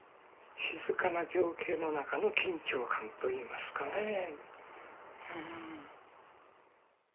静かな情景の中の緊張感といいますかね。